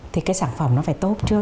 thì cái sản phẩm nó phải tốt chưa